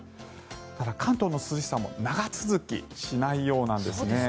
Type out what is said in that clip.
ただ、関東の涼しさも長続きしないようなんですね。